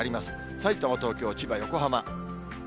さいたま、東京、千葉、横浜。